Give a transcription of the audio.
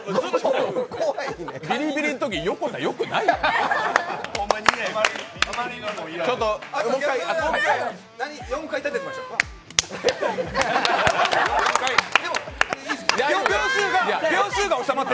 ビリビリのとき、横田、よくないって！